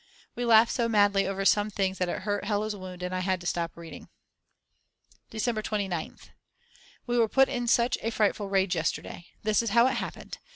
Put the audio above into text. We laughed so madly over some things that it hurt Hella's wound and I had to stop reading. December 29th. We were put in such a frightful rage yesterday. This is how it happened.